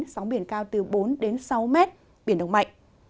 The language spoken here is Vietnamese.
sóng biển cao từ bốn sáu m biển động mạnh